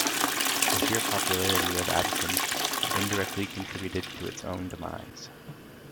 The sheer popularity of absinthe indirectly contributed to its own demise.